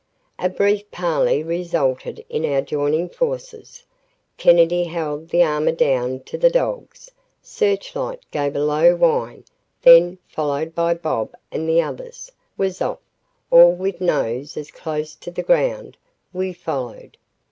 A brief parley resulted in our joining forces. Kennedy held the armor down to the dogs. "Searchlight" gave a low whine, then, followed by "Bob" and the others, was off, all with noses close to the ground. We followed.